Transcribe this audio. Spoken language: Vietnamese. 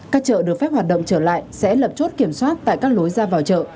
các chợ được phép hoạt động trở lại sẽ lập chốt kiểm soát tại các lối ra vào chợ